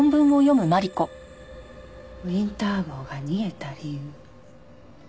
ウィンター号が逃げた理由。